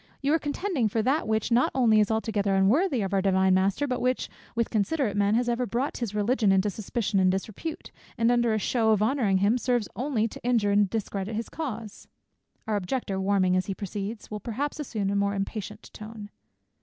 You are contending for that which not only is altogether unworthy of our Divine Master, but which, with considerate men, has ever brought his religion into suspicion and disrepute, and under a shew of honouring him, serves only to injure and discredit his cause." Our Objector, warming as he proceeds, will perhaps assume a more impatient tone.